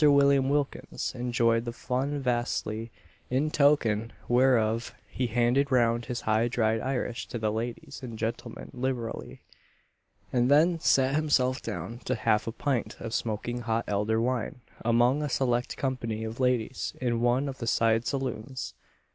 William Wilkins enjoyed the fun vastly; in token whereof he handed round his high dried Irish to the ladies and gentlemen liberally; and then sat himself down to half a pint of smoking hot elder wine among a select company of ladies in one of the side saloons.